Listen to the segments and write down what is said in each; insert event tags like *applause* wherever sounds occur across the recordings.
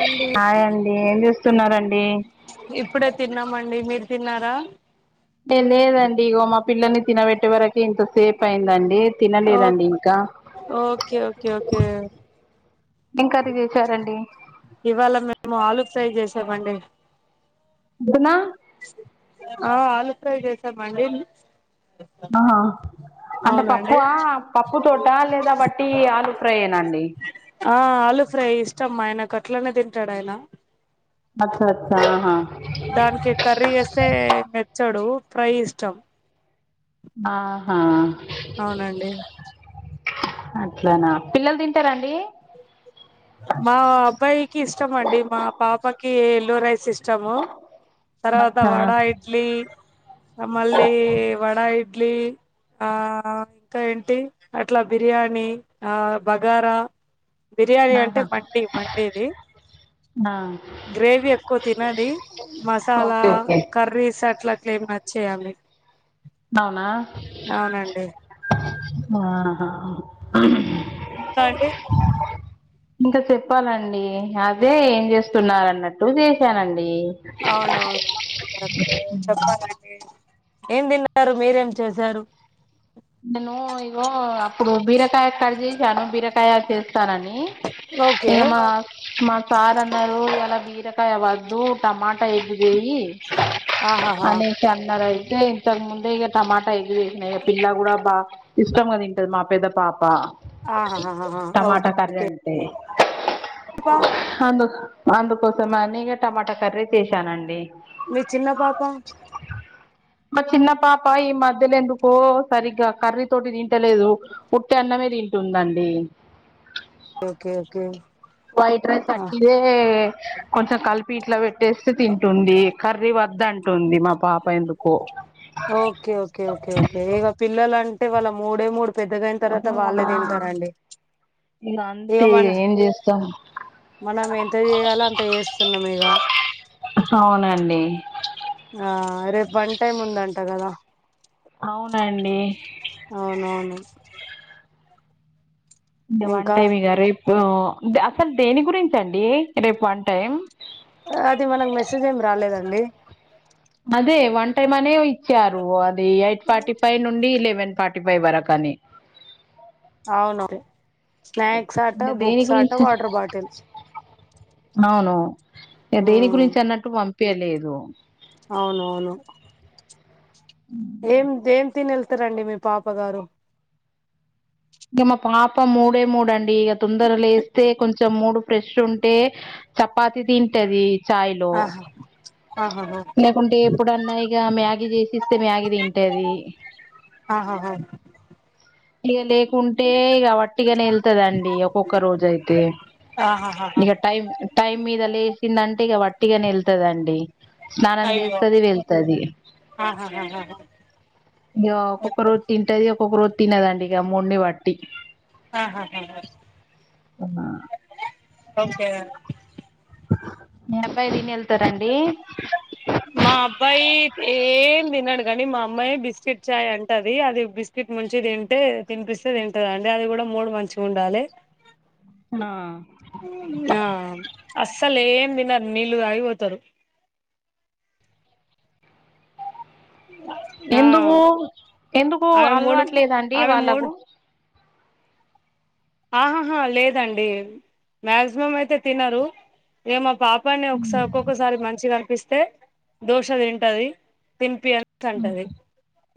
అండి హాయ్ అండి ఏం చేస్తున్నారండి ఇప్పుడే తిన్నామండి మీరు తిన్నారా లే లేదండి ఇగో మా పిల్లల్ని తినబెట్టే వరకే ఇంత సేప్ అయిందండి ఓ తినలేదండి ఇంకా ఓకే ఓకే ఓకే ఏం కర్రీ చేశారండీ ఇవాళ మేము ఆలు ఫ్రై చేసామండి బుడున ఆ ఆలు ఫ్రై చేశామండి ఆ అంటే పప్పు అవునండి ఆ పప్పు తోట లేదా వట్టి ఆలు ఫ్రై ఏనా అండి ఆ ఆలు ఫ్రై ఇష్టం మా ఆయ్నకు అట్లనే తింటాడ్ ఆయ్న అచ్చచ ఆహా దాన్కి కర్రీ ఏస్తే మెచ్చడు ఫ్రై ఇష్టం ఆహా అవునండి అట్లానా పిల్లలు తింటారాండి మా అబ్బాయికి ఇష్టం అండి మా పాపకి ఎల్లో రైస్ ఇష్టము తర్వాత అచ్చ వడా ఇడ్లీ ఆ మళ్ళీ వడా ఇడ్లీ ఆ ఇంకా ఏంటి అట్లా బిర్యానీ ఆ బాగారా బిర్యానీ అంటే ఆహా మండి మండేది ఆ గ్రేవి ఎక్కువ తినది మసాలా ఓకే ఓకే కర్రీస్ అట్లాట్ల ఏం నచ్చేయ్ ఆమెకు అవ్నా అవునండి ఆ హ ఇంకా అండి ఇంకా చెప్పాలండి అదే ఏం చేస్తున్నారు అన్నట్టు చేసానండి అవునా చెప్పాలండి ఏం తింటారు మీరేం చేశారు నేను ఇగో అప్పుడు బీరకాయ కట్ చేసాను బీర తయారు చేస్తారని ఓకే ఏమౌ మా సార్ అన్నారు ఇలా బీరకాయ వద్దు టమాటా ఎగ్ చేయి ఆహా హా అనేసి అన్నారు అయితే ఇంతక్ ముందే ఇక టమాటా ఎగ్ చేసీనే పిల్ల *unintelligible* ఇష్టంగా తింటది మా పెద్ద పాప ఆహాహాహా టమాటా క రంటే పా అందు అందుకోసం అని ఇగా టమాటా కర్రీ చేశానండి మీ చిన్న పాప మ చిన్న పాప ఈ మధ్యలేందుకో సరిగ్గా కర్రీ తోటి తింటలేదు ఉట్టన్నమే తింటుందండి ఓకే ఓకే వైట్ రైస్ ఆ, ఆట్టిదే ఎ కొంచెం కల్పి ఇట్లా పెట్టేస్తే తింటుంది కర్రీ వద్దంటుంది మా పాప ఎందుకో ఓకే ఓకే ఓకే ఓకే ఇగ పిల్లలన్టే వాళ్ళ మూడే మూడు పెద్దగయిన్ తర్వాత వాళ్ళే అవునా తింటరండి ఇగ అంతే మన ఏం చేస్తాం మనం ఎంత చేయాలో అంత చేస్తున్నమ్ ఇగ అవునండి ఆ రేప్ వన్ టైమ్ ఉందంట గదా అవునండి అవునవును ఇగ ఇంకా వన్టైం ఇగ రేపు అసల్ దేని గురించండి రేప్ వన్టైం అది మనక్ మెసేజ్ ఏమ్ రాలేదండి అదే వన్ టైమ్ అనే ఇచ్చారు అది ఎయిట్ ఫార్టీ ఫైవ్ నుండి లెవెన్ ఫార్ ఫి ఫై వరకు అని అవు స్నాక్స్ ఆట ఇంగ దేని బుక్స్ ఆట గురించి వాటర్ బాటిల్ అవును దేని గురించి అన్నట్టు పంపియ్యలేదు అవునవును ఏం దెన్ తినెళ్తరండి మీ పాప గారు ఇగ మా పాప మూడే మూడండి ఇగ తొందర లేస్తే కొంచెం మూడు ఫ్రెష్ ఉంటే చపాతి దింటది ఆహా ఆహాహ లేకుంటే ఎప్పుడన్నా ఇగ మ్యాగీ జెషిస్తే మ్యాగీ తింటది ఆహాహా ఇగ లేకుంటే ఇగ వట్టిగనే ఎల్తది అండీ ఒక్కొక్క రోజు అయితే ఆహాహాహా ఇగ టైం టైం మీద లేచిన్దంటే ఇగ వట్టిగనే ఎల్తదండి స్నానం అయ్యో జెస్తది వెళ్తది ఆహాహాహా ఇగ ఒక్కొక్క ఓకే రోజ్ తింటది ఒక్కొక్క రోజు తినదండి ఇగ మూడ్ని బట్టి ఆహా హ హా ఓకే మి అబ్బాయ్ దిన్ ఎళ్తరన్డి మా అబ్బాయి ఏం దినడు గని మా అమ్మాయె బిస్కెట్ చాయ్ అంటది అది బిస్ కిట్ ముంచి తింటే తిన్పిస్తే తింటదండి అది గుడా మూడ్ మంచిగుండాలే హా ఆ అస్సల్ ఏం దినర్ నీళ్లు తాగి పోతరు ఆ ఎందుకు ఎందుకు ఆమె మూడు అలవాట్ లేదాండి ఆమె మూడు వాళ్ళకు ఆహాహా లేదండి మ్యాక్సిమం అయితే తినరు ఇగ మా పాప్ పని ఒక్స ఒక్కొక్కసారి మంచిగ అనిపిస్తే దోష తింటది తిన్పి అన్ కంటది.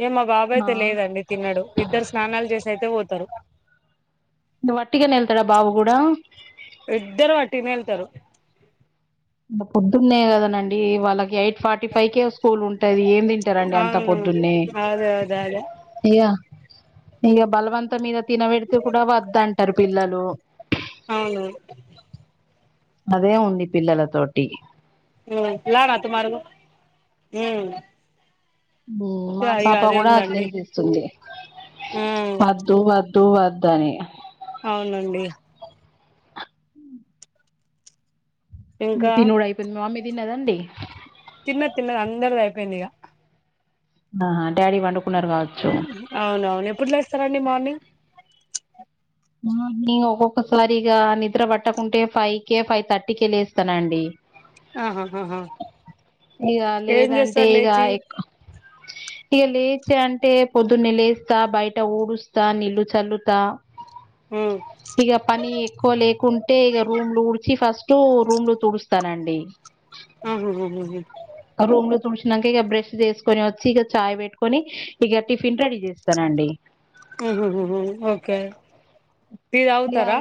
ఇగ మా బాబు ఆ అయితే లేదండి తిన్నడు ఇద్దరు స్నానాలు చేసి అయితే పోతరు. వట్టిగానేె ఎల్తాడ బాబు గుడా ఇద్దరు వట్టిగనే ఎల్తారు పొద్దున్నే గదా నండి వాళ్ళకి ఎయిట్ ఫార్టీ టి ఫైవ్ కే స్కూల్ ఉంటది. ఏం తింటారు అండీ. అంత అవును పొద్దున్నే అదే అదే అదే ఇగ బలవంత మీద తినబెడితే కూడా వద్దు అంటరు. పిల్లలు అవును అదే ఉంది పిల్లల తోటి ఎలా నాతు మారుగు హ్ మా పాప గుడా అట్లే ఉందండి చేస్తుంది. ఉమ్ వద్దు వద్దు వద్దనీ అవునండి మీ ఇంకా తినుడు అయిపోయింది. మ మమ్మీ తిన్నదండి. తిన్న తిన్నది అందరిది అయిపోయింది. ఇగా ఆహా డాడీ పడుకున్నారు. కావచ్చు అవున అవును ఎప్పుడు లేస్తారండి. మార్నింగ్ మార్నింగ్ ఒక్కొక్కసారిగా నిద్ర పట్టకుంటే ఫైవ్ కే ఫైవ్ థర్టీ కె లెస్తానండి ఆహాహాహా ఇగా ఏం లేదంటే చేస్తారు ఇగా లేచి ఎక్కు ఇక లేచి అంటే పొద్దున్న లేస్తా బయట ఊడుస్తా నీళ్లు చల్లుతా హ్ ఇగా పని ఎక్కువ లేకుంటే ఇగా రూమ్ లో ఊడ్చి ఫస్ట్ లు రూమ్ లో తుడుస్తానండి. ఆహహా రూమ్ లో చుడిసినాక ఇక బ్రష్ చేసుకొని వచ్చి ఇక చాయ్ పెట్టుకొని ఇగా టిఫిన్ రెడీ చేస్త స్తానండి ఉహ్ హ్ హ్ ఓకే టీ ఇగ తగుతారా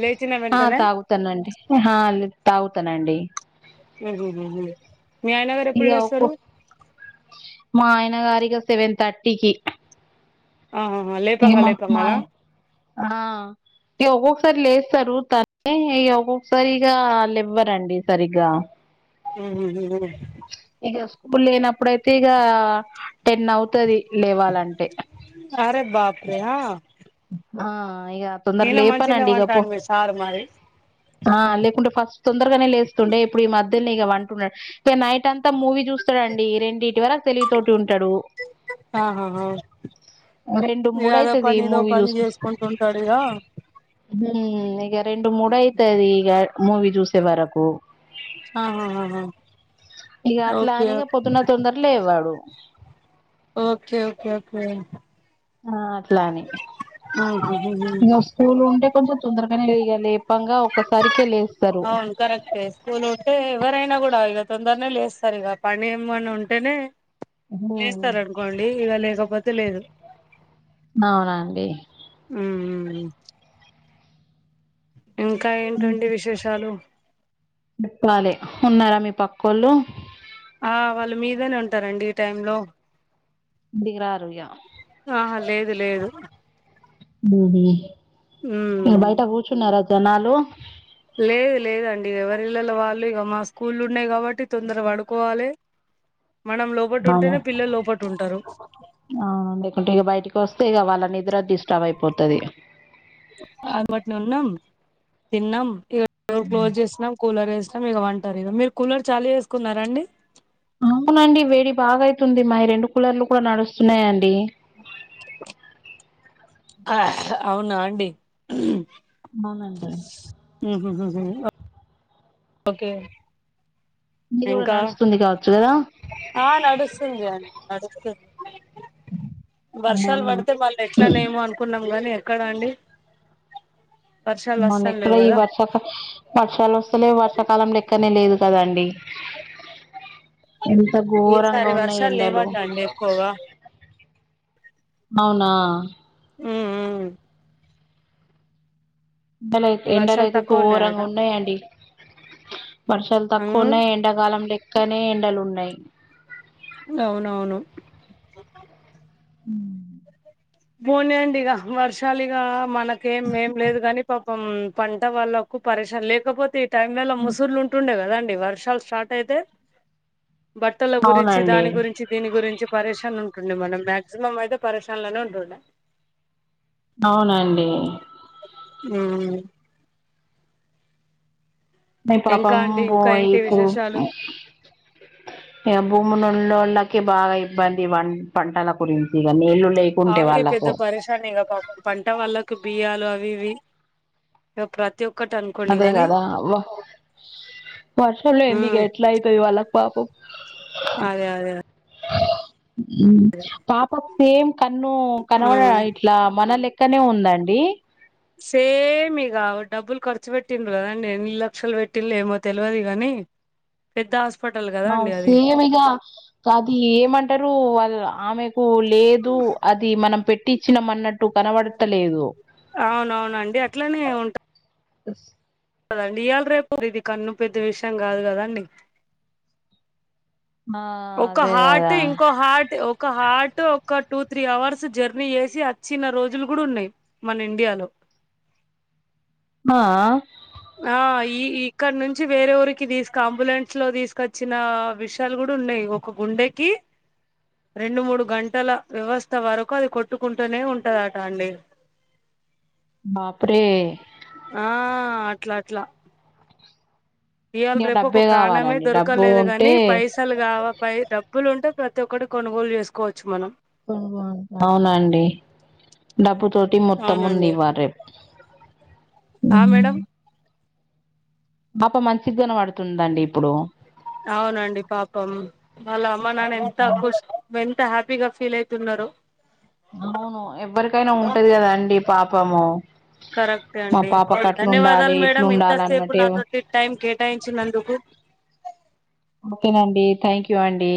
లేచిన వెంటనే తనండి అహా లే తాగుతానండి. ఉహ్ హ్ హ్ మీ అయనగారు ఏప్పుడు ఇగ లేస్తరు. ఒక్కో మా ఆయన గారిగా సెవెన్ థర్టీకి ఆహాహా లేపంగా ఏమో మా లేపంగానా ఆయన ఆ ఇగా ఒక్కొక్కసారి లేస్తారు. తనే ఒక్కొక్కసారిగా లేవ్వరండి సరిగ్గా అ ఉహ్ హ్ హ్ ఇగ స్కూల్ లేనప్పుడుయితే ఇగా టెన్ అవుతది లేవాలంటే అరే బాప్రే ఆ ఆ ఇగ తొందర ఈయన మంచిగనే లేపనండి. ఇగ పో పంటాడు మీ సారు మరి ఆ లేకుంటే ఫస్ట్ తొందరగానే లేస్తుండే ఇప్పుడు ఈ మధ్యలానే ఇగ పంటున్నాడు. ఇగ నైట్ అంతా మూవీ చూస్తాడు అండి రెండిటి వరకు తెలివి తోటి ఉంటాడు. ఆహాహా రెండు మూడు ఇగా ఆదో అయితది పని ఇదో మూవీ పని చేసుకుంటుంటాడు. ఇగా హ్ ఇక రెండు మూడు అయితది. ఇగా మూవీ చూసే వరకు ఆహాహాహా ఇగా అట్లా ఓకే అని పొద్దున్న తొందర లేవ్వడు ఓకే ఓకే ఓకే ఒకే ఆ అట్లానీ ఉహ్ హ్ హ్ స్కూల్ ఉంటే కొంచెం తొందరగానేగా లెయ్యాలి, లేపంగా ఒక్కసారికే లేస్తారు. అవును కరెక్టే స్కూల్ ఉంటే ఎవరైనా గుడా ఇగా తొందర్నే లేస్తారు ఇగా, పని ఏమన్న ఉంటేనే ఉమ్ లేస్తారనుకోండి, ఇగ లేకపోతే లేదు. అవునండి ఉమ్మ్ ఉమ్మ్ ఉమ్మ్ ఇంకా ఏంటండి విశేషాలు డిప్పాలే, ఉన్నారా మీ పక్కోళ్ళు ఆ వాళ్ళు మీదనే ఉంటారండి ఈ టైం లో. ఇంటికిరారు ఇగ ఆహా లేదు, లేదు ఉండేది ఉమ్మ్ ఇగ బయట కూర్చున్నారా జనాలు. లేదు, లేదండి ఎవరిళ్లలో వాళ్ళు ఇగ, మా స్కూల్లున్నాయి కాబట్టి తొందర పడుకోవాలే. మనం లోపట ఉంటేనే, పిల్లలు లోపట ఉంటారు. ఆ లేకుంటే ఇగ బయటకి ఓస్తే, ఇగ వాళ్ళ నిద్ర డిస్టర్బ్ అయిపోతది. అల్బట్నున్నాం. తిన్నాం, ఇగ డోర్ క్లోజ్ చేసినాం కూలర్ ఎసినాం, ఇగ పంటరు ఇగ. మీరు కూలర్ చాలు చేసుకున్నారా అండి. అవునండి వేడి బాగైతుంది, మాయి రెండు కులర్లు కూడా నడుస్తున్నాయండి. ఆ అవునా అండి, అవునండి ఉహు ఉహు ఉహుమ్ ఓకే మీది గుడా ఇంకా నడుస్తుంది కావచ్చు గదా. ఆ నడుస్తుంది అండి, నడుస్తుంది. వర్షాలు పడితే మళ్ ఆ ఎట్లానేమో అనుకున్నాం గానీ, ఎక్కడా అండి. వర్షాలు మళ్ళా వస్తాం ఎక్కడ లేవు ఈ కదా వర్షాల్ వర్షాల్ ఓస్తలేవ్, వర్షాకాలంలేక్కనే లేదు కదండి. ఎంత ఘోరంగా ఈసారి ఉన్నాయి వర్షాలు ఎండలు. లేవట అండి ఎక్కువగా అవునా ఉమ్మ్ ఉమ్మ్ ఎండలైత్, వర్షాలు ఎండలైతే తక్కువ ఘోరంగా ఉన్నాయట ఉన్నాయాండి. వర్షాలు తక్కువ ఉమ్ ఉన్నాయి, ఎండాకాలం లెక్కనే ఎండలు ఉన్నాయి. గవునవును ఉమ్మ్ పోన్ లెండి ఇగా, వర్షాలు ఇగా మనకేం ఏం ఏం లేదు కాని పాప్ పం, పంట వాళ్ళకు పరేషాన్, లేకపోతే ఈ టైంలల్లో ముసురు లూంట్ ఉంటుండే కదండి వర్షాలు స్టార్ట్ అయితే, బట్టల గురించి, అవునండి దాని గురించి దీని గురించి పరేన్ ఉంటుండే మనం, మాక్సిమం అయితే పరషన్లోనే ఉంటుండే. అవునండి ఉమ్మ్ *unintelligible* ఇంకా పాపం అండి ఇంకా ఏంటి బోయికు విశేషాలు ఇగ భూములు ఉనోళ్ళకి బాగా ఇబ్బంది, వన్ పంటల గురించి ఇక నీళ్ళు లేక్ వాళ్ళకే పెద్ద పరేషన్ ఇగా పాపం, పంట వాళ్ళకి బియ్యాలు అవి ఇవి ఇగ ప్రతి ఒక్కటి అనుకోండి. అంతే గాని గదా వా వర్షం లేంది ఇగ ఉమ్ ఎట్ల అయితది వాళ్ళక్ పాపం అదే అదే గ ఉ పాపక్ సేమ్ కన్ను కనవడద ఉమ్ ఇట్ల మనలే క్కనే ఉందా అండి సేమ్ ఇగ డబ్బులు ఖర్చు పెట్టిండ్రు కదండి ఎన్నీ లక్షలు పెట్టిలో ఏమో తెలియదు కానీ పెద్ద హాస్పిటల్ గా మా సేమ్ ఇగ కాది ఏమంటరు వాళ ఆమెకు లేదు అది మనం పెట్ టిచ్చినమన్నట్టు కనబడతలేదు అవునవునండి అట్లనే ఉంటా ఓస్ కదండి ఇయళ రేపు ఇది కన్ను పెద్ద విషయం కాదు కదండి ఆ ఒక అదే హార్ట్ గదా ఇంకో హార్ట్ ఒక హార్ట్ ఒక టూ త్రీ అవర్స్ జర్నీ చేసి వచ్చిన రోజులు కూడ ఉన్నాయి మన ఇండియాలో మా ఆ ఈ ఇక్కడ నుంచి వేరే ఊరికి తీసుక అంబులెన్స్ లో తీసుకొచ్చిన విషయాలు కూడా ఉన్నాయి ఇగో ఒక గుండెకి రెండు మూడు గంటల వ్యవస్థ వరకు అది కొట్టుకుంటూనే ఉంటదట అండి బాప్రె ఆ అట్లా అట్లా ఇయాల్ ఇగ రేపు ఒక డబ్బే ప్రాణమే కావాలండి డబ్బు దొరకలేదు ఉంటే గాని పైసల్ *unintelligible* డబ్బులు ఉంటే ప్రతి ఒక్కటి కొనుగోలు జేసుకోవచ్చు మనం అవునండి డబ్బు తోటి మొత్తం ఉంది అవునండి ఇవ్వాల రేపు ఆ మేడం బాప మంచి గనె బాడుతుందండి ఇప్పుడు అవునండి పాపం వాళ్ళ అమ్మ నాన్న ఎంత ఆ కుష్ వెళ్తా హ్యాపీగా ఫీల్ ఐతున్నారొ అవును ఎవ్వరికైనా ఉంటది కదా అండి పాపము కరెక్టె మా అండి పాపకు అట్లుండాలి ధన్యవాదాలు మేడం ఇట్లుండాలి ఎంతసేపు అన్నట్టే నాతోటి టైం కేటాయించినందుకు ఓకే అండి థ్యాంక్యూ అండి